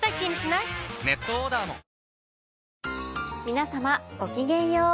皆様ごきげんよう。